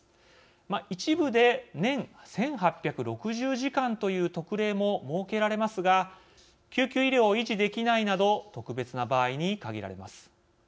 一部で年１８６０時間という特例も設けられますが救急医療を維持できないなど特別な場合に限られます。